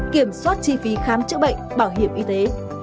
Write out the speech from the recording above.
kiểm soát chi phí khám chữa bệnh bảo hiểm y tế